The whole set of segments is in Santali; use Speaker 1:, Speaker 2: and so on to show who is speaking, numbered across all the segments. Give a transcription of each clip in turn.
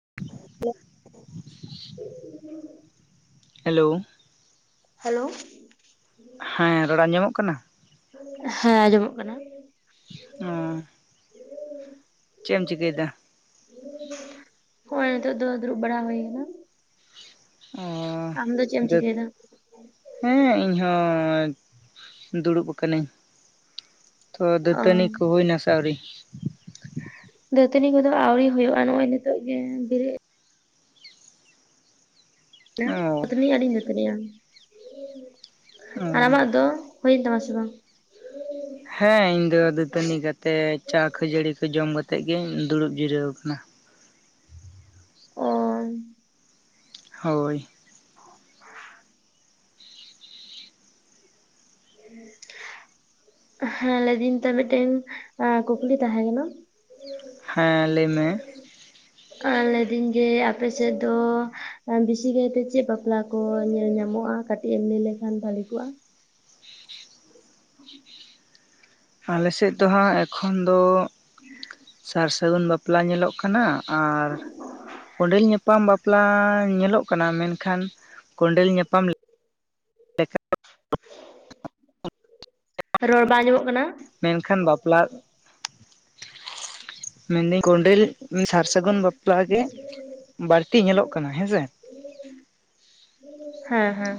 Speaker 1: [unintelligible]
Speaker 2: ᱦᱮᱞᱳ
Speaker 1: ᱦᱮᱞᱳ
Speaker 2: ᱦᱮᱸ ᱨᱚᱲ ᱟᱸᱡᱚᱢᱚᱜ ᱠᱟᱱᱟ
Speaker 1: ᱦᱮᱸ ᱟᱸᱡᱚᱢᱚᱜ ᱠᱟᱱᱟ
Speaker 2: ᱚᱸ ᱪᱮᱫ ᱮᱢ ᱪᱤᱠᱟᱹᱭᱮᱫᱟ
Speaker 1: ᱦᱚᱭ ᱱᱤᱛᱚᱜ ᱫᱚ ᱫᱩᱨᱩᱵ ᱵᱟᱲᱟ ᱦᱩᱭᱟ ᱠᱟᱱᱟ ᱟᱢ ᱫᱚ ᱪᱮᱫ ᱮᱢ ᱪᱤᱠᱟᱹᱭᱮᱫᱟ
Speaker 2: [unintelligible] ᱦᱮᱸ ᱤᱧ ᱦᱚᱸ ᱫᱩᱲᱩᱵ ᱟᱠᱟᱱᱟᱹᱧ ᱛᱚ
Speaker 1: ᱚ
Speaker 2: ᱫᱟᱹᱛᱟᱹᱱᱤ ᱠᱚ ᱦᱩᱭᱱᱟ ᱥᱮ ᱟᱹᱣᱨᱤ
Speaker 1: ᱫᱟᱹᱛᱟᱹᱱᱤ ᱠᱚᱫᱚ ᱟᱣᱨᱤ ᱦᱩᱭᱩᱜᱼᱟ ᱱᱚᱜ ᱚᱭ ᱱᱤᱛᱚᱜ ᱜᱮ ᱵᱮᱨᱮᱫ [unintelligible]
Speaker 2: ᱚ
Speaker 1: ᱫᱟᱹᱛᱟᱹᱱᱤ ᱟᱹᱣᱨᱤᱧ ᱫᱟᱹᱛᱱᱤᱜ-ᱟ
Speaker 2: ᱚ
Speaker 1: ᱟᱨ ᱟᱢᱟᱜ ᱫᱚ ᱦᱩᱭᱮᱱ ᱛᱟᱢᱟ ᱥᱮ ᱵᱟᱝ?
Speaker 2: ᱦᱮᱸ ᱤᱧ ᱫᱚ ᱫᱟᱹᱛᱟᱹᱱᱤ ᱠᱟᱛᱮ ᱪᱟ ᱠᱷᱟᱹᱡᱟᱹᱲᱤ ᱠᱚ ᱡᱚᱢ ᱠᱟᱛᱮᱜ ᱜᱮᱧ ᱫᱩᱲᱩᱵ ᱡᱤᱨᱟᱹᱣ ᱟᱠᱟᱱᱟ᱾
Speaker 1: ᱚ
Speaker 2: ᱦᱳᱭ
Speaker 1: [unintelligible] ᱦᱮᱸ ᱞᱟᱹᱭᱫᱟᱹᱧ ᱛᱚ ᱢᱤᱫᱴᱮᱱ ᱠᱩᱠᱞᱤ ᱛᱟᱦᱮᱸ ᱠᱟᱱᱟ
Speaker 2: ᱦᱮᱸ ᱞᱟᱹᱭ ᱢᱮ
Speaker 1: ᱞᱟᱹᱭᱫᱟᱹᱧ ᱡᱮ ᱟᱯᱮ ᱥᱮᱫ ᱫᱚ ᱵᱮᱥᱤ ᱠᱟᱭᱛᱮ ᱪᱮᱫ ᱵᱟᱯᱞᱟ ᱠᱚ ᱧᱮᱞ ᱧᱟᱢᱚᱜᱼᱟ ᱠᱟᱴᱤ ᱠᱟᱹᱴᱤᱡ ᱮᱢ ᱞᱟᱹᱭ ᱞᱮᱠᱷᱟᱱ ᱵᱷᱟᱲᱮ ᱠᱚᱜᱼᱟ᱾
Speaker 2: ᱟᱞᱮᱥᱮᱫ ᱫᱚ ᱦᱟᱸᱜ ᱮᱠᱷᱚᱱ ᱫᱚ [unintelligible] ᱥᱟᱹᱜᱩᱱ ᱵᱟᱯᱞᱟ ᱧᱮᱞᱚᱜ ᱠᱟᱱᱟ ᱟᱨ ᱠᱚᱸᱰᱮᱞ ᱧᱟᱯᱟᱢ ᱵᱟᱯᱞᱟ ᱧᱮᱞᱚᱜ ᱠᱟᱱᱟ ᱢᱮᱱᱠᱷᱟᱱ ᱠᱚᱸᱰᱮᱞ ᱧᱟᱯᱟᱢ [unintelligible]
Speaker 1: ᱨᱚᱲ ᱵᱟᱝ ᱟᱸᱡᱚᱢᱚᱜ ᱠᱟᱱᱟ᱾
Speaker 2: ᱢᱮᱱᱠᱷᱟᱱ ᱵᱟᱯᱞᱟ ᱢᱮᱱᱫᱟᱹᱧ ᱠᱚᱸᱰᱮᱞ ᱥᱟᱨ ᱥᱟᱹᱜᱩᱱ ᱵᱟᱯᱞᱟ ᱜᱮ ᱵᱟᱹᱲᱛᱤ ᱧᱮᱞᱚᱜ ᱠᱟᱱᱟ ᱦᱮᱸ ᱥᱮ
Speaker 1: ᱦᱮᱸ ᱦᱮᱸ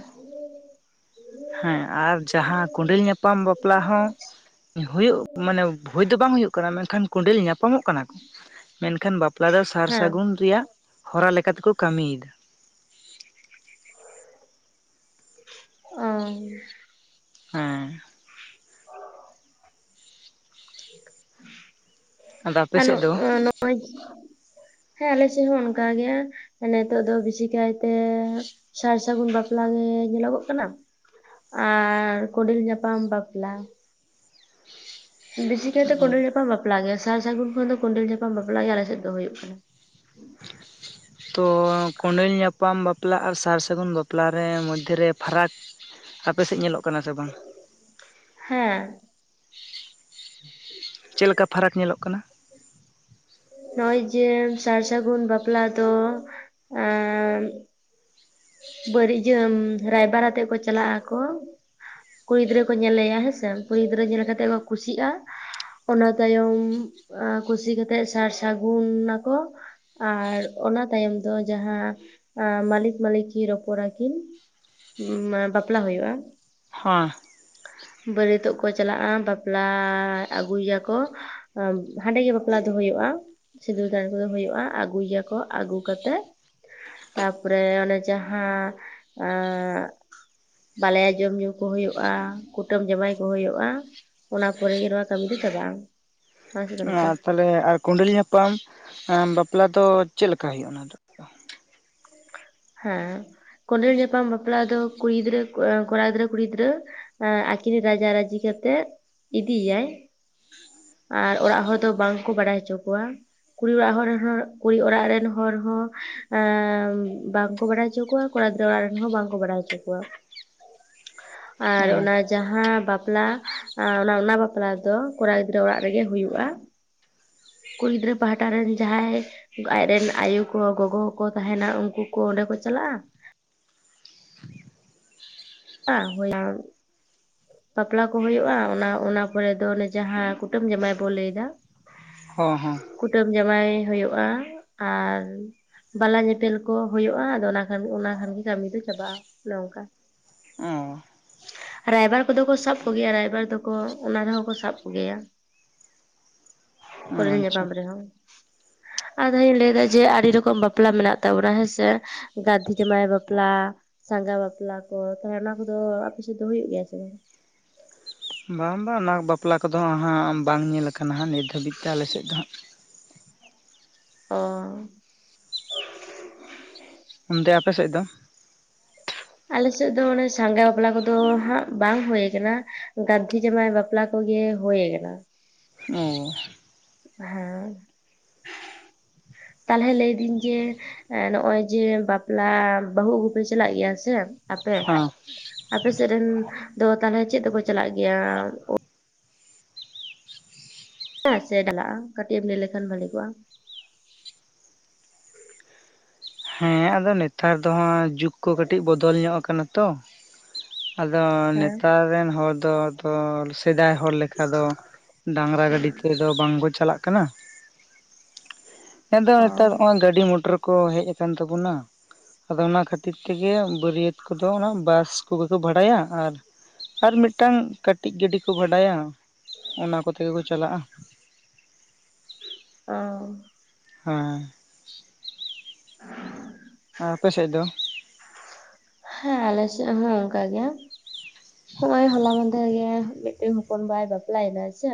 Speaker 2: ᱦᱮᱸ ᱟᱨ ᱡᱟᱦᱟᱸ ᱠᱚᱸᱰᱮᱞ ᱧᱟᱯᱟᱢ ᱵᱟᱯᱞᱟ ᱦᱚᱸ ᱦᱩᱭᱩᱜ ᱢᱟᱱᱮ ᱦᱳᱭ ᱫᱚ ᱵᱟᱝ ᱦᱩᱭᱩᱜ ᱠᱟᱱᱟ ᱢᱮᱱᱠᱷᱟᱱ ᱠᱚᱸᱰᱮᱞ ᱧᱟᱯᱟᱢᱚᱜ ᱠᱟᱱᱟ ᱠᱚ ᱢᱮᱱᱠᱷᱟᱱ ᱵᱟᱯᱞᱟ ᱫᱚ ᱥᱟᱨ
Speaker 1: ᱦᱮᱸ
Speaker 2: ᱥᱟᱹᱜᱩᱱ ᱨᱮᱭᱟᱜ ᱦᱚᱨᱟ ᱞᱮᱠᱟᱛᱮᱠᱚ ᱠᱟᱹᱢᱤᱭᱮᱫᱟ
Speaker 1: ᱚ
Speaker 2: ᱦᱮᱸ ᱟᱫᱚ ᱟᱯᱮ
Speaker 1: ᱟᱨ
Speaker 2: ᱥᱮᱫ ᱫᱚ
Speaker 1: ᱱᱚᱜᱼᱚᱭ [unintelligible] ᱦᱮᱸ ᱟᱞᱮᱥᱮᱫ ᱦᱚᱸ ᱚᱱᱠᱟ ᱜᱮ᱾ ᱱᱤᱛᱚᱜ ᱫᱚ ᱵᱮᱥᱤ ᱠᱟᱭᱛᱮ ᱥᱟᱨ ᱥᱟᱹᱜᱩᱱ ᱵᱟᱯᱞᱟ ᱜᱮ ᱧᱮᱞᱚᱜᱚᱜ ᱠᱟᱱᱟ᱾ ᱟᱨ ᱠᱚᱸᱰᱮᱞ ᱧᱟᱯᱟᱢ ᱵᱟᱯᱞᱟ ᱵᱮᱥᱤ ᱠᱟᱭᱛᱮ ᱠᱚᱸᱰᱮᱞ ᱧᱟᱯᱟᱢ ᱵᱟᱯᱞᱟ ᱜᱮ ᱥᱟᱨ ᱥᱟᱹᱜᱩᱱ ᱠᱷᱚᱱ ᱫᱚ ᱠᱚᱸᱰᱮᱞ ᱧᱟᱯᱟᱢ ᱵᱟᱯᱟᱜ ᱜᱮ ᱟᱞᱮ ᱥᱮᱫ ᱫᱚ ᱦᱩᱭᱩᱜ ᱠᱟᱱᱟ᱾
Speaker 2: ᱛᱚ ᱠᱚᱸᱰᱮᱞ ᱧᱟᱯᱟᱢ ᱵᱟᱯᱞᱟ ᱟᱨ ᱥᱟᱨ ᱥᱟᱹᱜᱩᱱ ᱵᱟᱯᱞᱟᱨᱮ ᱢᱚᱫᱽᱫᱷᱮᱨᱮ ᱯᱷᱟᱨᱟᱠ ᱟᱯᱮ ᱥᱮᱫ ᱧᱮᱞᱚᱜ ᱠᱟᱱᱟ ᱥᱮ ᱵᱟᱝ?
Speaker 1: ᱦᱮᱸ
Speaker 2: ᱪᱮᱫ ᱞᱮᱠᱟ ᱯᱷᱟᱨᱟᱠ ᱧᱮᱞᱚᱜ ᱠᱟᱱᱟ?
Speaker 1: ᱱᱚᱜᱼᱚᱭ ᱡᱮ ᱥᱟᱨ ᱥᱟᱹᱜᱩᱱ ᱵᱟᱯᱞᱟ ᱫᱚ ᱚᱸᱻ [unintelligible] ᱨᱟᱭᱵᱟᱨ ᱟᱛᱮᱜ ᱠᱚ ᱪᱟᱞᱟᱜ ᱟᱠᱚ ᱠᱩᱲᱤ ᱜᱤᱫᱽᱨᱟᱹ ᱠᱚ ᱧᱮᱞᱮᱭᱟ ᱦᱮᱸᱥᱮ ᱠᱩᱲᱤ ᱜᱤᱫᱽᱨᱟᱹ ᱧᱮᱞ ᱠᱟᱛᱮᱜ ᱠᱚ ᱠᱩᱥᱤᱜᱼᱟ ᱚᱱᱟ ᱛᱟᱭᱚᱢ ᱠᱩᱥᱤ ᱠᱟᱛᱮᱜ ᱥᱟᱨ ᱥᱟᱹᱜᱩᱱ ᱱᱟᱠᱚ ᱟᱨ ᱚᱱᱟ ᱛᱟᱭᱚᱢ ᱫᱚ ᱡᱟᱦᱟᱸ ᱢᱟᱹᱞᱤᱠ ᱢᱟᱹᱞᱤᱠ ᱠᱤ ᱨᱚᱯᱚᱲᱟ ᱠᱤᱱ ᱵᱟᱯᱞᱟ ᱦᱩᱭᱩᱜᱼᱟ᱾
Speaker 2: ᱦᱚᱸ
Speaker 1: ᱵᱟᱹᱨᱭᱟᱹᱛᱚᱜ ᱠᱚ ᱪᱟᱞᱟᱜᱼᱟ ᱵᱟᱯᱞᱟ ᱟᱹᱜᱩᱭᱟᱠᱚ ᱦᱟᱸᱰᱮ ᱜᱮ ᱵᱟᱯᱞᱟ ᱫᱚ ᱦᱩᱭᱩᱜᱼᱟ ᱥᱤᱸᱫᱩᱨ ᱫᱟᱱ ᱠᱚᱫᱚ ᱦᱩᱭᱩᱜᱼᱟ ᱟᱹᱜᱩᱭ ᱭᱟᱠᱚ ᱟᱹᱜᱩ ᱠᱟᱛᱮ ᱛᱟᱯᱚᱨᱮ ᱚᱱᱮ ᱡᱟᱦᱟᱸ ᱮᱸᱻ ᱵᱟᱞᱟᱭᱟ ᱡᱚᱢ ᱧᱩ ᱠᱚ ᱦᱩᱭᱩᱜᱼᱟ ᱠᱩᱴᱟᱹᱢ ᱡᱟᱶᱟᱭ ᱠᱚ ᱦᱩᱭᱩᱜᱼᱟ᱾ ᱚᱱᱟ ᱯᱚᱨᱮᱜᱮ ᱱᱚᱣᱟ ᱠᱟᱹᱢᱤ ᱫᱚ ᱪᱟᱵᱟᱜ-ᱟ᱾
Speaker 2: ᱟᱸ ᱛᱟᱦᱚᱞᱮ ᱟᱨ ᱠᱚᱸᱰᱮᱞ ᱧᱟᱯᱟᱢ ᱵᱟᱯᱞᱟ ᱫᱚ ᱪᱮᱫ ᱞᱮᱠᱟ ᱦᱩᱭᱩᱜᱼᱟ᱾ᱚᱱᱟ ᱫᱚ
Speaker 1: ᱦᱮᱸ ᱠᱚᱸᱰᱮᱞ ᱧᱟᱯᱟᱢ ᱵᱟᱯᱞᱟ ᱫᱚ ᱠᱩᱲᱤ ᱜᱤᱫᱽᱨᱟᱹ ᱠᱚᱲᱟ ᱜᱤᱫᱽᱨᱟᱹ ᱟᱸ ᱟᱹᱠᱤᱱᱟᱜ ᱨᱟᱡᱟ ᱨᱟᱹᱡᱤ ᱠᱟᱛᱮᱜ ᱤᱫᱤᱭᱟᱭ ᱟᱨ ᱚᱲᱟᱜ ᱦᱚᱲ ᱫᱚ ᱵᱟᱝᱠᱚ ᱵᱟᱲᱟᱭ ᱦᱚᱪᱚ ᱠᱚᱣᱟ ᱠᱩᱲᱤ ᱚᱲᱟᱜ ᱦᱚᱲ ᱨᱮᱱ ᱦᱚᱲ ᱟᱸ ᱵᱟᱝᱠᱚ ᱵᱟᱲᱟᱭ ᱦᱚᱪᱚ ᱠᱚᱣᱟ ᱠᱚᱲᱟ ᱜᱤᱫᱨᱟᱹ ᱚᱲᱟᱜ ᱨᱮᱱ ᱦᱚᱸ ᱵᱟᱝᱠᱚ ᱵᱟᱲᱟᱭ ᱦᱚᱪᱚ ᱠᱚᱣᱟ᱾
Speaker 2: [inaudible]
Speaker 1: ᱟᱨ ᱚᱱᱟ ᱡᱟᱦᱟᱸ ᱵᱟᱯᱞᱟ ᱚᱱᱟ ᱵᱟᱯᱞᱟ ᱫᱚ ᱠᱚᱲᱟ ᱜᱤᱫᱽᱨᱟᱹ ᱚᱲᱟᱜ ᱨᱮᱜᱮ ᱦᱩᱭᱩᱜᱼᱟ ᱠᱩᱲᱤ ᱜᱤᱫᱽᱨᱟᱹ ᱯᱟᱦᱴᱟ ᱨᱮᱱ ᱡᱟᱦᱟᱸᱭ ᱟᱡᱨᱮᱱ ᱟᱭᱩ ᱠᱚ ᱜᱚᱜᱚ ᱠᱚ ᱠᱚ ᱛᱟᱦᱮᱸᱱᱟ ᱩᱱᱠᱩ ᱠᱚ ᱚᱸᱰᱮ ᱠᱚ ᱪᱟᱞᱟᱜᱼᱟ [unintelligible] ᱦᱩᱭ ᱵᱟᱯᱞᱟ ᱠᱚ ᱦᱩᱭᱩᱜᱼᱟ ᱚᱱᱟ ᱚᱱᱟ ᱯᱚᱨᱮ ᱫᱚ ᱚᱱᱮ ᱡᱟᱦᱟᱸ ᱠᱩᱴᱟᱹᱢ ᱡᱟᱶᱟᱭ ᱵᱚ ᱞᱟᱹᱭ ᱮᱫᱟ
Speaker 2: ᱦᱚᱸ ᱦᱚᱸ
Speaker 1: ᱠᱩᱴᱟᱹᱢ ᱡᱟᱶᱟᱭ ᱦᱩᱭᱩᱜᱼᱟ ᱟᱨ ᱵᱟᱞᱟ ᱧᱮᱯᱮᱞ ᱠᱚ ᱦᱩᱭᱩᱜᱼᱟ ᱟᱫᱚ ᱚᱱᱟ ᱠᱷᱟᱱ ᱚᱱᱟ ᱠᱷᱟᱱ ᱜᱮ ᱠᱟᱹᱢᱤ ᱫᱚ ᱪᱟᱵᱟᱜᱼᱟ ᱚᱱᱮ ᱚᱱᱠᱟ
Speaker 2: [unintelligible]
Speaker 1: ᱨᱟᱭᱵᱟᱨ ᱠᱚ ᱫᱚ ᱠᱚ ᱥᱟᱵ ᱠᱚ ᱜᱮᱭᱟ ᱨᱟᱭᱵᱟᱨ ᱫᱚᱠᱚ ᱚᱱᱟ ᱨᱮᱦᱚᱸ ᱠᱚ ᱥᱟᱵ ᱠᱚ ᱜᱮᱭᱟ
Speaker 2: ᱚ
Speaker 1: ᱠᱚᱰᱮᱸᱞ
Speaker 2: ᱟᱪᱪᱷᱟ
Speaker 1: ᱧᱟᱯᱟᱢ ᱨᱮᱦᱚᱸ ᱟᱫᱚᱧ ᱞᱟᱹᱭ ᱫᱟ ᱡᱮ ᱟᱹᱰᱤ ᱨᱚᱠᱚᱢ ᱵᱟᱯᱞᱟ ᱢᱮᱱᱟᱜ ᱛᱟᱵᱚᱱᱟ ᱦᱮᱸᱥᱮ ᱜᱟᱫᱷᱤ ᱡᱟᱢᱟᱭ ᱵᱟᱯᱞᱟ ᱥᱟᱸᱜᱷᱟ ᱵᱟᱯᱞᱟ ᱠᱚ ᱛᱟᱦᱚᱞᱮ ᱚᱱᱟ ᱠᱚᱫᱚ ᱟᱯᱮ ᱥᱮᱫ ᱫᱚ ᱦᱩᱭᱩᱜ ᱜᱮᱭᱟ ᱥᱮ ᱵᱟᱝ
Speaker 2: ᱵᱟᱝ ᱵᱟᱝ ᱚᱱᱟ ᱵᱟᱯᱞᱟ ᱠᱚᱫᱚ ᱦᱟᱸᱜ ᱵᱟᱝ ᱧᱮᱞ ᱠᱟᱱᱟ ᱦᱟᱸᱜ ᱱᱤᱛ ᱫᱷᱟᱹᱵᱤᱡ ᱛᱮ ᱟᱞᱮ ᱥᱮᱫ ᱫᱚ
Speaker 1: ᱳ
Speaker 2: ᱚᱱᱛᱮ ᱟᱯᱮ ᱥᱮᱫ ᱫᱚ
Speaker 1: ᱟᱞᱮ ᱥᱮᱫ ᱫᱚ ᱚᱱᱮ ᱥᱟᱸᱜᱟ ᱵᱟᱯᱞᱟ ᱠᱚᱫᱚ ᱦᱟᱸᱜ ᱵᱟᱝ ᱦᱩᱭ ᱟᱠᱟᱱᱟ ᱜᱟᱫᱫᱷᱤ ᱡᱟᱢᱟᱭ ᱵᱟᱯᱞᱟ ᱵᱟᱯᱞᱟ ᱠᱚᱜᱮ ᱦᱩᱭ ᱟᱠᱟᱱᱟ
Speaker 2: ᱳ
Speaker 1: ᱦᱮᱸ
Speaker 2: [inaudible]
Speaker 1: ᱛᱟᱦᱚᱞᱮ ᱞᱟᱹᱭᱫᱟᱹᱧ ᱡᱮ ᱱᱚᱜᱚᱭ ᱡᱮ ᱵᱟᱯᱞᱟ ᱵᱟᱹᱦᱩ ᱟᱹᱜᱩ ᱯᱮ ᱪᱟᱞᱟᱜ ᱜᱮᱭᱟ ᱥᱮ ᱟᱯᱮ
Speaker 2: ᱦᱚᱸ [unintelligible]
Speaker 1: ᱟᱯᱮ ᱥᱮᱫ ᱨᱮᱱ ᱫᱚ ᱛᱟᱦᱟᱞᱮ ᱪᱮᱫ ᱛᱮᱠᱚ ᱪᱟᱞᱟᱜ ᱜᱮᱭᱟ ᱥᱮ ᱪᱟᱞᱟᱜᱼᱟ ᱠᱟᱹᱴᱤᱡ ᱮᱢ ᱞᱟᱹᱭ ᱞᱮᱠᱷᱟᱱ ᱵᱷᱟᱹᱞᱤ ᱠᱚᱜᱼᱟ
Speaker 2: ᱦᱮᱸ ᱟᱫᱚ ᱱᱮᱛᱟᱨ ᱫᱚ ᱦᱟᱜ ᱡᱩᱜ ᱠᱚ ᱠᱟᱹᱴᱤᱡ ᱵᱚᱫᱚᱞ ᱧᱚᱜ ᱟᱠᱟᱱᱟ ᱛᱚ ᱟᱫᱚ
Speaker 1: ᱦᱮᱸ
Speaker 2: ᱱᱮᱛᱟᱨ ᱨᱮᱱ ᱦᱚᱲ ᱫᱚ ᱟᱫᱚ ᱥᱮᱫᱟᱭ ᱦᱚᱲ ᱞᱮᱠᱟ ᱫᱚ ᱰᱟᱝᱨᱟ ᱜᱟᱹᱰᱤ ᱛᱮᱫᱚ ᱵᱟᱝᱠᱚ ᱪᱟᱞᱟᱜ ᱠᱟᱱᱟ ᱠᱟᱱᱟ ᱟᱫᱚ
Speaker 1: ᱚ
Speaker 2: ᱱᱮᱛᱟᱨ ᱱᱚᱜᱚᱭ ᱜᱟᱹᱰᱤ ᱢᱚᱴᱚᱨ ᱠᱚ ᱦᱮᱡ ᱟᱠᱟᱱ ᱛᱟᱵᱚᱱᱟ ᱟᱫᱚ ᱚᱱᱟ ᱠᱷᱟᱹᱛᱤᱨ ᱛᱮᱜᱮ ᱵᱟᱹᱨᱭᱟᱹᱛ ᱠᱚᱫᱚ ᱚᱱᱟ ᱵᱟᱥ ᱠᱚ ᱜᱮᱠᱚ ᱵᱷᱟᱲᱟᱭᱟ ᱟᱨ ᱟᱨ ᱢᱤᱫᱴᱟᱝ ᱠᱟᱹᱴᱤᱡ ᱜᱟᱹᱰᱤ ᱠᱚ ᱵᱷᱟᱰᱟᱭᱟ ᱚᱱᱟ ᱠᱚᱛᱮ ᱜᱮᱠᱚ ᱪᱟᱞᱟᱜᱼᱟ
Speaker 1: ᱳ
Speaker 2: ᱦᱮᱸ
Speaker 1: [inaudible]
Speaker 2: ᱟᱨ ᱟᱯᱮ ᱥᱮᱫ ᱫᱚ
Speaker 1: ᱦᱮᱸ ᱟᱞᱮ ᱥᱮᱫ ᱦᱚᱸ ᱚᱱᱠᱟ ᱜᱮ ᱦᱚᱜᱼᱚᱭ ᱦᱚᱞᱟ ᱢᱟᱸᱫᱷᱮᱨ ᱜᱮ ᱢᱤᱫᱴᱮᱱ ᱦᱚᱯᱚᱱ ᱵᱟᱭ ᱵᱟᱯᱞᱟᱭᱮᱱᱟ ᱥᱮ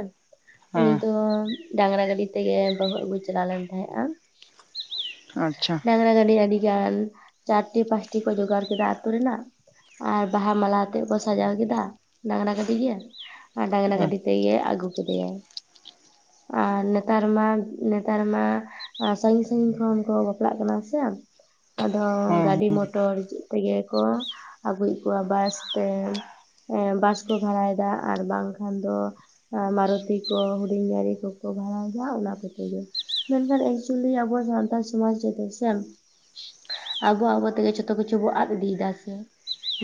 Speaker 1: ᱩᱱᱤ
Speaker 2: ᱦᱮᱸ
Speaker 1: ᱫᱚ ᱰᱟᱝᱨᱟ ᱜᱟᱹᱰᱤ ᱛᱮᱜᱮ ᱵᱟᱹᱦᱩ ᱟᱹᱜᱩᱭ ᱪᱟᱞᱟᱣ ᱞᱮᱱ ᱛᱟᱦᱮᱸᱜᱼᱟ᱾
Speaker 2: ᱟᱪᱪᱷᱟ
Speaker 1: ᱰᱟᱝᱨᱟ ᱜᱟᱹᱰᱤ ᱟᱹᱰᱤ ᱜᱟᱱ ᱪᱟᱨᱴᱤ ᱯᱟᱸᱪᱴᱤ ᱠᱚ ᱡᱚᱜᱟᱲ ᱠᱮᱫᱟ ᱟᱹᱛᱩ ᱨᱮᱱᱟᱜ ᱟᱨ ᱵᱟᱦᱟ ᱢᱟᱞᱟ ᱟᱛᱮᱜ ᱠᱚ ᱥᱟᱡᱟᱣ ᱠᱮᱫᱟ ᱰᱟᱝᱨᱟ ᱜᱟᱹᱰᱤ ᱜᱮ ᱟᱨ ᱰᱟᱝᱨᱟ
Speaker 2: ᱦᱮᱸ
Speaker 1: ᱜᱟᱹᱰᱤ ᱛᱮᱜᱮ ᱟᱹᱜᱩ ᱠᱮᱫᱮᱭᱟᱭ ᱟᱨ ᱱᱮᱛᱟᱨ ᱢᱟ ᱱᱮᱛᱟᱨ ᱢᱟ ᱥᱟᱹᱜᱤᱧ ᱥᱟᱹᱜᱤᱧ ᱠᱷᱚᱱ ᱠᱚ ᱵᱟᱯᱞᱟᱜ ᱠᱟᱱᱟ ᱥᱮ ᱟᱫᱚ
Speaker 2: ᱦᱮᱸ
Speaker 1: ᱜᱟᱹᱰᱤ ᱢᱚᱴᱚᱨ- ᱛᱮᱜᱮ ᱠᱚ ᱟᱹᱜᱩᱭᱮᱫ ᱠᱚᱣᱟ ᱵᱟᱥ ᱛᱮ ᱵᱟᱥ ᱠᱚ ᱵᱷᱟᱲᱟᱭᱮᱫᱟ ᱟᱨ ᱵᱟᱝᱠᱷᱟᱱ ᱫᱚ ᱢᱟᱨᱩᱛᱤ ᱠᱚ ᱦᱩᱰᱤᱧ ᱜᱟᱨᱤ ᱠᱚᱠᱚ ᱵᱷᱟᱲᱟᱭᱫᱟ ᱚᱱᱟ ᱠᱚᱛᱮᱜᱮ ᱢᱮᱱᱠᱷᱟᱱ ᱮᱠᱪᱩᱭᱮᱞᱤ ᱟᱵᱚ ᱡᱟᱦᱟᱱ [unintelligible] ᱥᱮᱱ ᱟᱵᱚ ᱟᱵᱚ ᱛᱮᱜᱮ ᱡᱚᱛᱚ ᱠᱤᱪᱷᱩ ᱵᱚ ᱟᱫ ᱤᱫᱤᱭᱮᱫᱟ ᱥᱮ,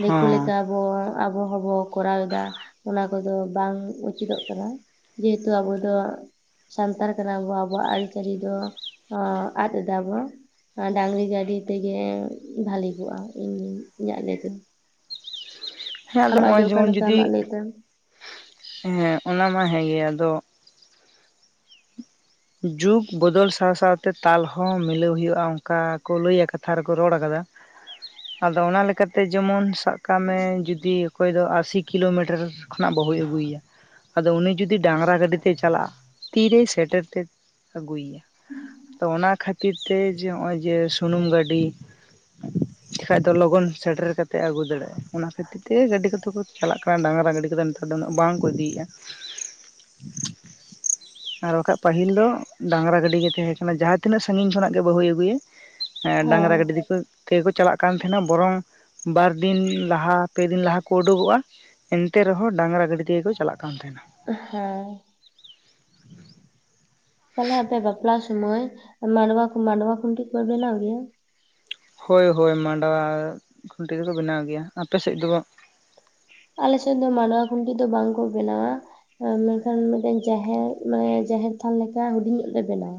Speaker 1: ᱫᱤᱠᱩ ᱞᱮᱠᱟ ᱦᱚᱸ ᱟᱵᱚ ᱦᱚᱸᱵᱚ ᱠᱚᱨᱟᱣ ᱮᱫᱟ ᱚᱱᱟ ᱠᱚᱫᱚ ᱵᱟᱝ ᱩᱪᱤᱛᱚᱜ ᱠᱟᱱᱟ᱾ ᱡᱮᱦᱮᱛᱩ ᱟᱵᱚ ᱫᱚ ᱥᱟᱱᱛᱟᱲ ᱠᱟᱱᱟᱵᱚ ᱟᱵᱚᱣᱟᱜ ᱟᱹᱨᱤᱪᱟᱹᱞᱤ ᱫᱚ ᱟᱫ ᱮᱫᱟ ᱵᱚᱱ ᱰᱟᱝᱨᱤ ᱜᱟᱹᱰᱤ ᱛᱮᱜᱮ ᱵᱷᱟᱞᱤ ᱠᱚᱜᱼᱟ ᱤᱧᱜ ᱤᱧᱟᱹᱜ ᱞᱟᱹᱭ ᱛᱮᱫᱚ᱾
Speaker 2: ᱦᱮᱸ ᱟᱫᱚ
Speaker 1: ᱟᱢᱟᱜ ᱜᱮ
Speaker 2: ᱱᱚᱜᱚᱭ
Speaker 1: ᱚᱠᱟ
Speaker 2: ᱡᱮᱢᱚᱱ
Speaker 1: ᱞᱮᱠᱟ
Speaker 2: ᱡᱩᱫᱤ,
Speaker 1: ᱟᱢᱟᱜ ᱞᱟᱹᱭ ᱛᱮ
Speaker 2: ᱦᱮᱸ ᱚᱱᱟ ᱢᱟ ᱦᱮᱸ ᱜᱮ ᱟᱫᱚ ᱡᱩᱜᱽ ᱵᱚᱫᱚᱞ ᱥᱟᱶ ᱥᱟᱶᱛᱮ ᱛᱟᱞ ᱦᱚᱸ ᱢᱤᱞᱟᱹᱣ ᱦᱩᱭᱩᱜᱼᱟ ᱚᱱᱠᱟ ᱠᱚ ᱞᱟᱹᱭᱟ ᱠᱟᱫ ᱠᱟᱛᱷᱟ ᱨᱮᱠᱚ ᱨᱚᱲ ᱟᱠᱟᱫᱟ ᱟᱫᱚ ᱚᱱᱟ ᱞᱮᱠᱟᱛᱮ ᱡᱮᱢᱚᱱ ᱥᱟᱵ ᱠᱟᱜ ᱢᱮ ᱡᱩᱫᱤ ᱚᱠᱚᱭ ᱫᱚ ᱟᱥᱤ ᱠᱤᱞᱳᱢᱤᱴᱟᱨ ᱠᱷᱚᱱᱟᱜ ᱵᱟᱹᱦᱩᱭ ᱟᱹᱜᱩᱭᱮᱭᱟ ᱟᱫᱚ ᱩᱱᱤ ᱡᱩᱫᱤ ᱰᱟᱝᱨᱟ ᱜᱟᱹᱰᱤ ᱛᱮᱭ ᱪᱟᱞᱟᱜᱼᱟ, ᱛᱤᱨᱮᱭ ᱥᱮᱴᱮᱨ ᱛᱮ ᱟᱹᱜᱩᱭᱮᱭᱟ, ᱟᱫᱚ ᱚᱱᱟ ᱠᱷᱟᱹᱛᱤᱨ ᱛᱮ ᱡᱮ ᱱᱚᱜ ᱚᱭ ᱡᱮ ᱥᱩᱱᱩᱢ ᱜᱟᱹᱰᱤ ᱪᱟᱞᱟᱠ ᱫᱚ ᱞᱚᱜᱚᱱ ᱥᱮᱴᱮᱨ ᱠᱟ ᱛᱮ ᱟᱹᱜᱩ ᱫᱟᱲᱮᱭᱟᱜᱼᱟ, ᱚᱱᱟ ᱠᱷᱟᱹᱛᱤᱨ ᱛᱮᱜᱮ ᱜᱟᱹᱰᱤ ᱠᱚᱛᱮ ᱠᱚ ᱪᱟᱞᱟᱜ ᱠᱟᱱᱟ ᱰᱟᱝᱨᱟ ᱜᱟᱹᱰᱤ ᱠᱚᱫᱚ ᱱᱮᱛᱟᱨ ᱩᱱᱟᱹᱜ ᱵᱟᱝ ᱠᱚ ᱤᱫᱤᱭᱮᱫᱼᱟ ᱟᱨ ᱵᱟᱠᱷᱟᱡ ᱯᱟᱹᱦᱤᱞ ᱫᱚ ᱰᱟᱝᱨᱟ ᱜᱟᱹᱰᱤ ᱜᱮ ᱛᱟᱦᱮᱸ ᱠᱟᱱᱟ ᱡᱟᱦᱟᱸ ᱛᱤᱱᱟᱹᱜ ᱥᱟᱹᱜᱤᱧ ᱠᱷᱚᱱᱟᱜ ᱜᱮ ᱵᱟᱹᱦᱩᱭ ᱟᱹᱜᱩᱭᱮ,
Speaker 1: ᱦᱮᱸ
Speaker 2: ᱦᱮᱸᱰᱟᱝᱨᱟ ᱜᱟᱹᱰᱤ ᱛᱮᱠᱚ ᱛᱮᱜᱮ ᱠᱚ ᱪᱟᱞᱟᱜ ᱠᱟᱱ ᱛᱟᱦᱮᱱᱟ ᱵᱚᱨᱚᱝ ᱵᱟᱨ ᱫᱤᱱ ᱞᱟᱦᱟ ᱯᱮ ᱫᱤᱱ ᱞᱟᱦᱟ ᱠᱚ ᱩᱰᱩᱠᱚᱜᱼᱟ, ᱮᱱᱛᱮ ᱨᱮᱦᱚᱸ ᱰᱟᱝᱨᱟ ᱜᱟᱹᱰᱤ ᱛᱮᱜᱮ ᱠᱚ ᱪᱟᱞᱟᱜ ᱠᱟᱱ ᱛᱟᱸᱦᱮᱱᱟ᱾
Speaker 1: ᱦᱮᱸ ᱛᱟᱦᱚᱞᱮ ᱟᱯᱮ ᱵᱟᱯᱞᱟ ᱥᱩᱢᱚᱭ ᱢᱟᱰᱣᱟ ᱢᱟᱰᱣᱟ ᱠᱷᱩᱱᱴᱤ ᱯᱮ ᱵᱮᱱᱟᱣ ᱜᱮᱭᱟ?
Speaker 2: ᱦᱳᱭ ᱦᱳᱭ ᱢᱟᱰᱣᱟ ᱠᱷᱩᱱᱴᱤ ᱫᱚᱠᱚ ᱵᱮᱱᱟᱣ ᱜᱮᱭᱟ᱾ ᱟᱯᱮᱥᱮᱫ ᱫᱚ?
Speaker 1: ᱟᱞᱮᱥᱮᱫ ᱫᱚ ᱢᱟᱰᱣᱟ ᱠᱷᱩᱱᱴᱤ ᱫᱚ ᱵᱟᱝ ᱠᱚ ᱵᱮᱱᱟᱣᱟ᱾ ᱢᱮᱱᱠᱷᱟᱱ ᱢᱤᱫᱴᱮᱱ ᱡᱟᱦᱮᱨ ᱢᱟᱱᱮ ᱡᱟᱦᱮᱨ ᱛᱷᱟᱱ ᱞᱮᱠᱟ ᱦᱩᱰᱤᱧ ᱧᱚᱜ ᱞᱮ ᱵᱮᱱᱟᱣᱟ᱾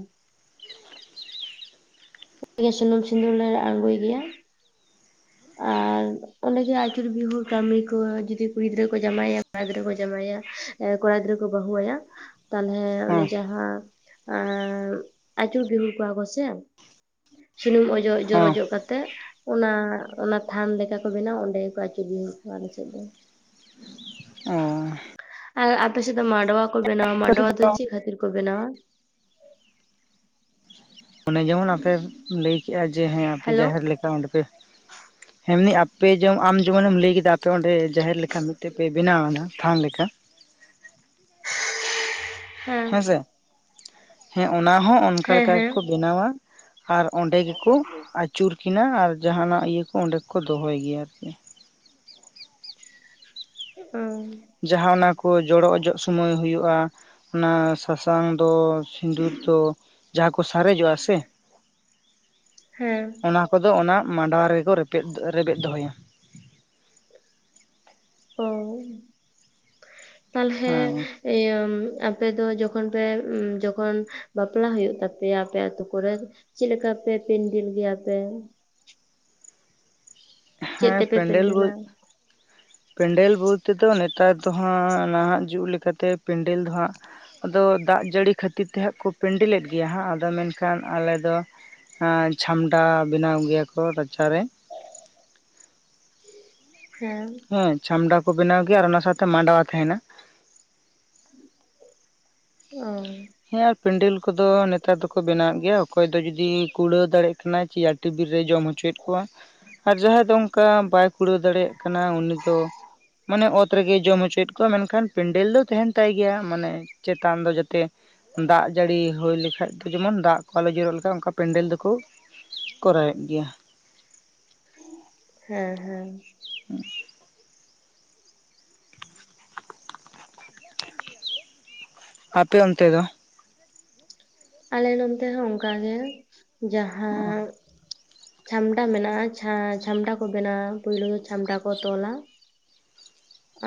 Speaker 1: ᱚᱸᱰᱮᱜᱮ ᱥᱩᱱᱩᱢ ᱥᱤᱸᱫᱩᱨ ᱞᱮ ᱟᱬᱜᱳᱭ ᱜᱮᱭᱟ᱾ ᱟᱨᱻ ᱚᱸᱰᱮᱜᱮ ᱟᱹᱪᱩᱨ ᱵᱤᱦᱩᱨ ᱠᱟᱹᱢᱤ ᱠᱚ ᱡᱩᱫᱤ ᱠᱩᱲᱤ ᱜᱤᱫᱽᱨᱟᱹ ᱠᱚ ᱡᱟᱶᱟᱭᱟ ᱠᱚᱲᱟ ᱜᱤᱫᱽᱨᱟᱹ ᱠᱚ ᱡᱟᱶᱟᱭᱟ ᱮᱸ ᱠᱚᱲᱟ ᱜᱤᱫᱽᱨᱟᱹ ᱠᱚ ᱵᱟᱹᱦᱩ ᱟᱭᱟ ᱛᱟᱞᱦᱮ ᱚᱱᱮ
Speaker 2: ᱦᱚᱸ
Speaker 1: ᱡᱟᱦᱟᱸ ᱟᱸᱻ ᱟᱹᱪᱩᱨ ᱵᱤᱦᱩᱨ ᱠᱚᱣᱟ ᱠᱚᱥᱮ ᱥᱩᱱᱩᱢ ᱚ- ᱡᱚᱜ ᱡᱚᱨᱚ
Speaker 2: ᱦᱚᱸ
Speaker 1: ᱚᱡᱚᱜ ᱠᱟᱛᱮᱜ ᱚᱱᱟ ᱚᱱᱟ ᱛᱷᱟᱱ ᱞᱮᱠᱟ ᱠᱚ ᱵᱮᱱᱟᱣᱟ ᱚᱸᱰᱮ ᱜᱮᱠᱚ ᱟᱹᱪᱩᱨ ᱵᱤᱦᱩᱨ ᱠᱚᱣᱟ ᱟᱞᱮ ᱥᱮᱫ ᱫᱚ᱾
Speaker 2: ᱚᱸᱻ
Speaker 1: ᱟᱨ ᱟᱯᱮ ᱥᱮᱫ ᱢᱟᱰᱣᱟ ᱠᱚ ᱵᱮᱱᱟᱣᱟ
Speaker 2: ᱟᱯᱮ
Speaker 1: ᱢᱟᱰᱣᱟ,
Speaker 2: ᱥᱮᱫ
Speaker 1: ᱫᱚ ᱪᱮᱫ ᱠᱷᱟᱹᱛᱤᱨ ᱠᱚ ᱵᱮᱱᱟᱣᱟ?
Speaker 2: ᱚᱱᱮ ᱡᱮᱢᱚᱱ ᱟᱯᱮ ᱞᱟᱹᱭ ᱠᱮᱜᱼᱟ ᱡᱮ ᱦᱮᱸ ᱟᱯᱮ
Speaker 1: ᱦᱮᱞᱳ
Speaker 2: ᱡᱟᱦᱮᱨ ᱞᱮᱠᱟ ᱚᱸᱰᱮ ᱯᱮ ᱦᱮᱸ ᱮᱢᱱᱤ ᱟᱯᱮ ᱡᱮᱢᱚᱱ ᱟᱢ ᱡᱮᱢᱚᱱᱮᱢ ᱞᱟᱹᱭ ᱠᱮᱫᱟ ᱟᱯᱮ ᱚᱸᱰᱮ ᱡᱟᱦᱮᱨ ᱞᱮᱠᱟ ᱢᱤᱫᱴᱮᱡ ᱯᱮ ᱵᱮᱱᱟᱣ ᱮᱱᱟᱜ ᱛᱷᱟᱱ ᱞᱮᱠᱟ᱾
Speaker 1: ᱦᱮᱸ
Speaker 2: ᱦᱮᱸᱥᱮ, ᱦᱮᱸ ᱚᱱᱟ ᱦᱚᱸ ᱚᱱᱠᱟ
Speaker 1: ᱦᱮᱸ
Speaker 2: ᱞᱮᱠᱟ
Speaker 1: ᱦᱮᱸ
Speaker 2: ᱜᱮᱠᱚ ᱵᱮᱱᱟᱣᱟ᱾ ᱟᱨ ᱚᱸᱰᱮ ᱜᱮᱠᱚ ᱟᱹᱪᱩᱨ ᱠᱤᱱᱟ ᱟᱨ ᱡᱟᱦᱟᱱᱟᱜ ᱤᱭᱟᱹ ᱠᱚ ᱚᱸᱰᱮ ᱜᱮᱠᱚ ᱫᱚᱦᱚᱭ ᱜᱮᱭᱟ ᱟᱨᱠᱤ᱾
Speaker 1: ᱦᱩᱸ
Speaker 2: ᱡᱟᱦᱟᱸ ᱚᱱᱟ ᱠᱚ ᱡᱚᱲᱚ ᱚᱡᱚᱜ ᱥᱚᱢᱚᱭ ᱦᱩᱭᱩᱜᱼᱟ, ᱚᱱᱟ ᱥᱟᱥᱟᱝ ᱫᱚ ᱥᱤᱸᱫᱩᱨ ᱫᱚ ᱡᱟᱦᱟᱸ ᱠᱚ ᱥᱟᱨᱮᱡᱚᱜᱼᱟ ᱥᱮ
Speaker 1: ᱦᱮᱸ
Speaker 2: ᱚᱱᱟ ᱠᱚᱫᱚ ᱚᱱᱟ ᱢᱟᱰᱣᱟ ᱨᱮᱜᱮ ᱠᱚ ᱨᱮᱯᱮᱫ ᱨᱮᱵᱮᱫ ᱫᱚᱦᱚᱭᱟ ᱾
Speaker 1: ᱚᱸ ᱛᱟᱦᱚᱞᱮ
Speaker 2: ᱦᱮᱸ
Speaker 1: ᱤᱭᱟᱹ ᱟᱯᱮ ᱫᱚ ᱡᱚᱠᱷᱚᱱ ᱯᱮ ᱡᱚᱠᱷᱚᱱ ᱵᱟᱯᱞᱟ ᱦᱩᱭᱩᱜ ᱛᱟᱯᱮᱭᱟ ᱟᱯᱮ ᱟᱛᱩ ᱠᱚᱨᱮ ᱪᱮᱫ ᱞᱮᱠᱟ ᱯᱮ ᱯᱮᱱᱰᱮᱞ ᱜᱮᱭᱟ ᱯᱮ? ᱪᱮᱫ
Speaker 2: ᱦᱮᱸ
Speaker 1: ᱛᱮᱯᱮ
Speaker 2: ᱯᱮᱱᱰᱮᱞ ᱵ
Speaker 1: ᱯᱮᱱᱰᱮᱞᱟ
Speaker 2: ᱯᱮᱱᱰᱮᱞ ᱵᱚᱞ ᱛᱮ ᱫᱚ ᱱᱮᱛᱟᱨ ᱫᱚ ᱦᱟᱸᱜ ᱱᱟᱦᱟᱜ ᱡᱩᱜᱽ ᱞᱮᱠᱟᱛᱮ ᱯᱮᱱᱰᱮᱞ ᱫᱚ ᱦᱟᱸᱜ ᱟᱫᱚ ᱫᱟᱜ ᱡᱟᱹᱲᱤ ᱠᱷᱟᱹᱛᱤᱨ ᱛᱮ ᱦᱟᱸᱜ ᱠᱚ ᱯᱮᱱᱰᱤᱞᱮᱫ ᱜᱮᱭᱟ ᱦᱟᱸᱜ ᱾ ᱟᱫᱚ ᱢᱮᱱᱠᱷᱟᱱ ᱟᱞᱮ ᱫᱚ ᱪᱷᱟᱢᱰᱟ ᱵᱮᱱᱟᱣ ᱜᱮᱭᱟ ᱠᱚ ᱨᱟᱪᱟᱨᱮ ᱾
Speaker 1: ᱦᱮᱸ
Speaker 2: ᱦᱮᱸ ᱪᱷᱟᱢᱰᱟ ᱠᱚ ᱵᱮᱱᱟᱣ ᱜᱮᱭᱟ ᱟᱨ ᱚᱱᱟ ᱥᱟᱶᱛᱮ ᱢᱟᱰᱣᱟ ᱛᱟᱦᱮᱱᱟ ᱾
Speaker 1: ᱚ
Speaker 2: ᱦᱮᱸ ᱟᱨ ᱯᱮᱱᱰᱮᱞ ᱠᱚᱫᱚ ᱱᱮᱛᱟᱨ ᱫᱚᱠᱚ ᱵᱮᱱᱟᱣᱮᱫ ᱜᱮᱭᱟ ᱚᱠᱚᱭ ᱫᱚ ᱡᱩᱫᱤ ᱠᱩᱲᱟᱹᱣ ᱫᱟᱲᱮᱭᱟᱜ ᱠᱟᱱᱟᱭ ᱪᱮ ᱴᱤᱵᱤᱞ ᱨᱮᱭ ᱡᱚᱢ ᱦᱚᱪᱚᱭᱮᱫ ᱠᱚᱣᱟ ᱟᱨ ᱡᱟᱦᱟᱸᱭ ᱫᱚ ᱚᱱᱠᱟ ᱵᱟᱭ ᱠᱩᱲᱟᱹᱣ ᱫᱟᱲᱮᱭᱟᱜ ᱠᱟᱱᱟ ᱩᱱᱤ ᱫᱚ ᱢᱟᱱᱮ ᱚᱛ ᱨᱮᱜᱮ ᱡᱚᱢ ᱦᱚᱪᱚᱭᱮᱫ ᱠᱚᱣᱟ ᱢᱮᱱᱠᱷᱟᱱ ᱯᱮᱱᱰᱮᱞ ᱫᱚ ᱛᱟᱦᱮᱱ ᱛᱟᱭ ᱜᱮᱭᱟ ᱢᱟᱱᱮ ᱪᱮᱛᱟᱱ ᱫᱚ ᱡᱟᱛᱮ ᱫᱟᱜ ᱡᱟᱹᱲᱤ ᱦᱩᱭ ᱞᱮᱠᱷᱟᱡ ᱫᱚ ᱡᱮᱢᱚᱱ ᱫᱟᱜ ᱠᱚ ᱟᱞᱚ ᱡᱚᱨᱚᱜ ᱞᱮᱠᱷᱷᱟ ᱚᱱᱠᱟ ᱯᱮᱱᱰᱮᱞ ᱫᱚᱠᱚ ᱠᱚᱨᱟᱣᱮᱫ ᱜᱮᱭᱟ ᱾
Speaker 1: ᱦᱮᱸ ᱦᱮᱸ
Speaker 2: ᱦᱮᱸ [inaudible] ᱟᱯᱮ ᱚᱱᱛᱮ ᱫᱚ?
Speaker 1: ᱟᱞᱮ ᱱᱚᱱᱛᱮ ᱦᱚᱸ ᱚᱱᱠᱟ ᱜᱮ ᱡᱟᱦᱟᱸ
Speaker 2: ᱚ
Speaker 1: ᱪᱷᱟᱢᱰᱟ ᱢᱮᱱᱟᱜᱼᱟ ᱪᱷᱟ ᱪᱷᱟᱢᱰᱟ ᱠᱚ ᱵᱮᱱᱟᱣᱟ ᱾ ᱯᱩᱭᱞᱩ ᱫᱚ ᱪᱷᱟᱢᱰᱟ ᱠᱚ ᱛᱚᱞᱟ ᱾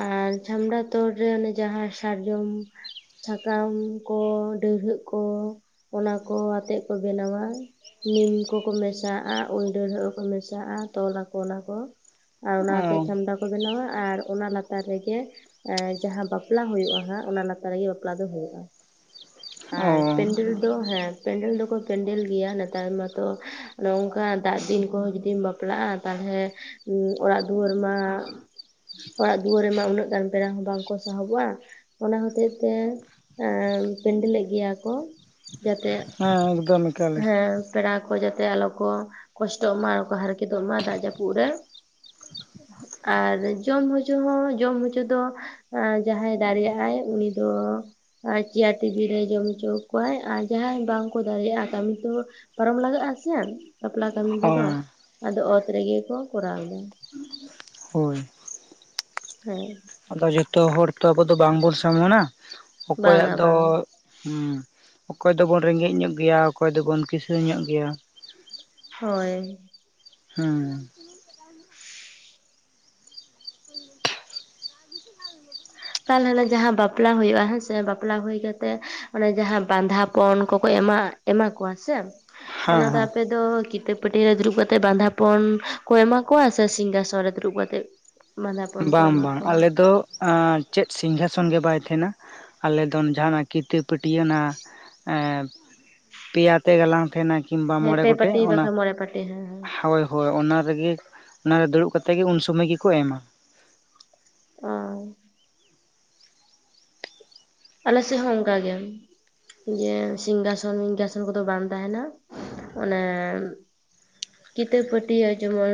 Speaker 1: ᱟᱨ ᱡᱷᱟᱢᱲᱟ ᱛᱚᱲ ᱨᱮ ᱚᱱᱮ ᱡᱟᱦᱟᱸ ᱥᱟᱨᱡᱚᱢ ᱥᱟᱠᱟᱢ ᱠᱚ ᱰᱟᱹᱨᱦᱟᱹᱜ ᱠᱚ ᱚᱱᱟᱠᱚ ᱟᱛᱮᱜ ᱠᱚ ᱵᱮᱱᱟᱣᱟ ᱾ ᱱᱤᱢ ᱠᱚᱠᱚ ᱢᱮᱥᱟᱜᱼᱟ ᱾ ᱩᱞ ᱰᱟᱹᱨᱟᱹᱜ ᱠᱚ ᱢᱮᱥᱟᱜᱼᱟ ᱾ ᱛᱚᱞ ᱟᱠᱚ ᱚᱱᱟ ᱠᱚ ᱾ ᱟᱨ
Speaker 2: ᱚ
Speaker 1: ᱚᱱᱟᱛᱮ ᱪᱷᱟᱢᱰᱟ ᱠᱚ ᱵᱮᱱᱟᱣᱟ ᱟᱨ ᱚᱱᱟ ᱞᱟᱛᱟᱨ ᱨᱮᱜᱮ ᱦᱮ ᱡᱟᱦᱟᱸ ᱵᱟᱯᱞᱟ ᱦᱩᱭᱩᱜᱼᱟ ᱦᱟᱸᱜ ᱾ ᱚᱱᱟ ᱞᱟᱛᱟᱨ ᱨᱮᱜᱮ ᱵᱟᱯᱞᱟ ᱫᱚ ᱦᱩᱭᱩᱜᱼᱟ ᱾
Speaker 2: [unintelligible]
Speaker 1: ᱟᱨ ᱯᱮᱱᱰᱮᱞ ᱫᱚ ᱦᱮᱸ ᱯᱮᱱᱰᱮᱞ ᱫᱚᱠᱚ ᱯᱮᱱᱰᱮᱞ ᱜᱮᱭᱟ ᱾ ᱱᱮᱛᱟᱨ ᱢᱟᱛᱚ ᱱᱚᱝᱠᱟ ᱫᱟᱜ ᱫᱤᱱ ᱠᱚᱦᱚᱸ ᱡᱩᱫᱤᱢ ᱵᱟᱯᱞᱟᱜᱼᱟ ᱾ ᱛᱟᱦᱚᱞᱮ ᱚᱲᱟᱜ ᱫᱩᱣᱟᱹᱨ ᱢᱟ ᱚᱲᱟᱜ ᱫᱩᱣᱟᱹᱨ ᱨᱮᱢᱟ ᱩᱱᱟᱹᱜ ᱜᱟᱱ ᱯᱮᱲᱟ ᱦᱚᱸ ᱵᱟᱝᱠᱚ ᱥᱟᱦᱚᱵᱚᱜᱼᱟ ᱾ ᱚᱱᱟ ᱦᱚᱛᱮ ᱛᱮ ᱯᱮᱱᱰᱮᱞᱮᱫ ᱜᱮᱭᱟ ᱠᱚ ᱾ ᱡᱮᱛᱮ
Speaker 2: ᱦᱮᱸ ᱮᱠᱫᱚᱢ ᱮᱠᱟᱞ ᱮᱠᱟᱞ
Speaker 1: ᱯᱮᱲᱟ ᱠᱚ ᱡᱟᱛᱮ ᱟᱞᱚ ᱠᱚ ᱠᱚᱥᱴᱚᱜ ᱢᱟ ᱟᱨ ᱠᱚ ᱦᱟᱨᱠᱮᱛᱚᱜ ᱢᱟ ᱫᱟᱜ ᱡᱟᱹᱯᱩᱫ ᱨᱮ ᱾ ᱟᱨ ᱡᱚᱢ ᱦᱚᱪᱚ ᱦᱚᱸ ᱡᱚᱢ ᱦᱚᱪᱚ ᱫᱚ ᱡᱟᱦᱟᱸᱭ ᱫᱟᱲᱮᱭᱟᱜ ᱟᱭ ᱩᱱᱤ ᱫᱚ ᱪᱮᱭᱟᱨ ᱴᱮᱵᱤᱞ ᱨᱮ ᱮ ᱡᱚᱢ ᱦᱚᱪᱚ ᱠᱚᱣᱟᱭ ᱟᱨ ᱡᱟᱦᱟᱸᱭ ᱵᱟᱝᱠᱚ ᱫᱟᱲᱮᱭᱟᱜᱼᱟ ᱾ ᱠᱟᱹᱢᱤ ᱛᱚ ᱯᱟᱨᱚᱢ ᱞᱟᱜᱟᱜᱼᱟ ᱥᱮ ᱾ ᱵᱟᱯᱞᱟ ᱠᱟᱹᱢᱤ ᱠᱚᱫᱚ
Speaker 2: ᱦᱮᱸ
Speaker 1: ᱾ ᱟᱫᱚ ᱚᱛ ᱨᱮᱜᱮ ᱠᱚ ᱠᱚᱨᱟᱣ ᱮᱫᱟ ᱾
Speaker 2: ᱦᱳᱭ
Speaker 1: ᱦᱮᱸ
Speaker 2: ᱟᱫᱚ ᱡᱚᱛᱚ ᱦᱚᱲ ᱛᱚ ᱟᱵᱚ ᱫᱚ ᱵᱟᱝᱵᱚᱱ ᱥᱚᱢᱟᱱᱟ ᱾ ᱚᱠᱚᱭᱟᱜ
Speaker 1: ᱵᱟᱝᱟ
Speaker 2: ᱫᱚ
Speaker 1: ᱵᱟᱝᱟ
Speaker 2: ᱦᱮᱸ ᱚᱠᱚᱭ ᱫᱚᱵᱚᱱ ᱨᱮᱸᱜᱮᱡ ᱧᱚᱜ ᱜᱮᱭᱟ ᱾ ᱚᱠᱚᱭ ᱫᱚᱵᱚᱱ ᱠᱤᱥᱟᱹᱬ ᱧᱚᱜ ᱜᱮᱭᱟ ᱾
Speaker 1: ᱦᱳᱭ
Speaker 2: ᱦᱮᱸ
Speaker 1: ᱛᱟᱦᱟᱞᱮ ᱱᱟᱜ ᱡᱟᱦᱟᱸ ᱵᱟᱯᱞᱟ ᱦᱩᱭᱩᱜᱼᱟ ᱾ ᱦᱮᱸ ᱥᱮ ᱵᱟᱯᱞᱟ ᱦᱩᱭ ᱠᱟᱛᱮᱜ ᱢᱟᱱᱮ ᱡᱟᱦᱟᱸ ᱵᱟᱸᱫᱷᱟᱯᱚᱱ ᱠᱚᱠᱚ ᱮᱢᱟ ᱾ ᱮᱢᱟ ᱠᱚᱣᱟ ᱥᱮ
Speaker 2: ᱦᱮᱸ
Speaker 1: ᱚᱱᱟ ᱫᱚ
Speaker 2: ᱦᱮᱸ
Speaker 1: ᱟᱯᱮ ᱫᱚ ᱠᱤᱛᱟᱹᱵ ᱯᱟᱹᱴ ᱨᱮ ᱫᱩᱲᱩᱵ ᱠᱟᱛᱮᱫ ᱵᱟᱸᱫᱷᱟᱯᱚᱱ ᱠᱚ ᱮᱢᱟ ᱠᱚᱣᱟ? ᱥᱮ ᱥᱤᱝᱜᱟᱥᱚᱱ ᱨᱮ ᱫᱩᱲᱩᱵ ᱠᱟᱛᱮ?
Speaker 2: ᱵᱟᱝ ᱵᱟᱝ ᱟᱞᱮ ᱫᱚ ᱪᱮᱫ ᱥᱤᱝᱜᱟᱥᱚᱱ ᱜᱮ ᱵᱟᱭ ᱛᱟᱦᱮᱱᱟ ᱾ ᱟᱞᱮᱫ ᱫᱚ ᱡᱟᱦᱟᱱᱟᱜ ᱠᱤᱛᱟᱹ ᱯᱟᱹᱴᱭᱟᱹ ᱱᱟᱜ ᱯᱮᱭᱟᱛᱮ ᱜᱟᱞᱟᱝ ᱛᱟᱦᱮᱱᱟ ᱠᱤᱝᱵᱟ
Speaker 1: ᱦᱮᱸ
Speaker 2: ᱢᱚᱚᱲᱮ
Speaker 1: ᱯᱮ
Speaker 2: ᱜᱚᱴᱮᱡ
Speaker 1: ᱯᱟᱹᱴᱤ
Speaker 2: ᱚᱱᱟ
Speaker 1: ᱵᱟᱠᱷᱟᱱ ᱢᱚᱬᱮ ᱯᱟᱹᱴᱤ ᱦᱮᱸ ᱦᱮᱸ
Speaker 2: ᱦᱳᱭ ᱦᱳᱭ ᱚᱱᱟ ᱨᱮᱜᱮ ᱚᱱᱟ ᱨᱮ ᱫᱩᱲᱩᱵ ᱠᱟᱛᱮᱜ ᱜᱮ ᱩᱱ ᱥᱩᱢᱚᱭ ᱜᱮᱠᱚ ᱮᱢᱟ
Speaker 1: ᱟᱨ ᱟᱞᱮ ᱥᱮᱫ ᱦᱚᱸ ᱚᱱᱠᱟ ᱜᱮ ᱡᱤᱭᱮ ᱥᱤᱝᱜᱟᱥᱚᱱ ᱵᱤᱝᱜᱟᱥᱚᱱ ᱠᱚᱫᱚ ᱵᱟᱝ ᱛᱟᱦᱮᱱᱟ ᱚᱱᱮ ᱠᱤᱛᱚ ᱯᱳᱴᱤᱭᱟ ᱡᱮᱢᱚᱱ